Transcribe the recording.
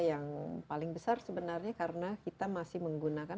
yang paling besar sebenarnya karena kita masih menggunakan